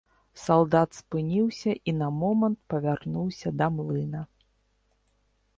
Салдат спыніўся і на момант павярнуўся да млына.